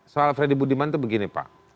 soal freddy budiman itu begini pak